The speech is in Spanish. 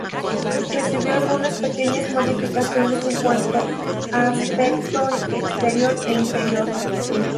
Recibió algunas pequeñas modificaciones en cuanto a aspecto exterior e interior.